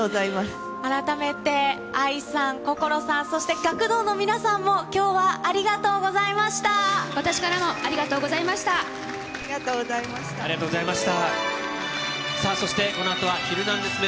改めて愛さん、心さん、そして学童の皆さんも、きょうはありがとうございました。